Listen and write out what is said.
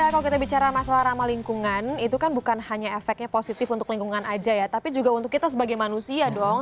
kalau kita bicara masalah ramah lingkungan itu kan bukan hanya efeknya positif untuk lingkungan aja ya tapi juga untuk kita sebagai manusia dong